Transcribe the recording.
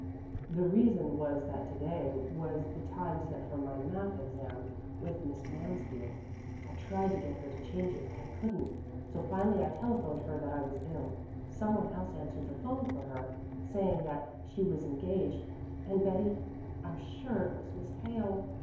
The reason was that to day was the time set for my math. exam, with Miss Mansfield. I tried to get her to change it, but I couldn't, so finally I telephoned her that I was ill. Some one else answered the 'phone for her, saying that she was engaged and, Betty I'm sure it was Miss Hale."